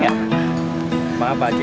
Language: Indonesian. siap pak haji